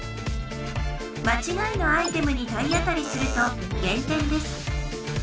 まちがいのアイテムに体当たりすると減点です